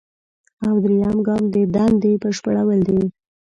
او دریم ګام د دندې بشپړول دي.